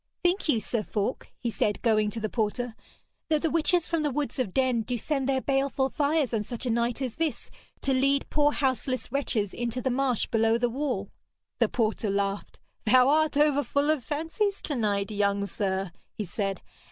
'Think you, Sir Falk,' he said, going to the porter, 'that the witches from the woods of Denn do send their baleful fires on such a night as this to lead poor houseless wretches into the marsh below the wall?' The porter laughed. 'Thou'rt over full of fancies to night, young sir,' he said.